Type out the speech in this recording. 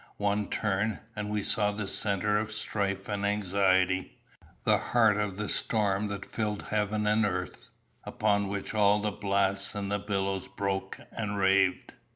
One turn, and we saw the centre of strife and anxiety the heart of the storm that filled heaven and earth, upon which all the blasts and the billows broke and raved.